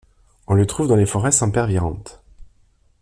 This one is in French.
On le trouve dans les forêts sempervirentes.